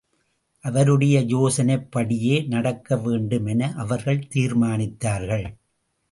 அவருடைய யோசனைப்படியே நடக்க வேண்டும் என அவர்கள் தீர்மானித்தார்கள்.